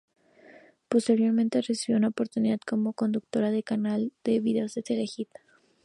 Posteriormente, recibió una oportunidad como conductora en el canal de videos Telehit.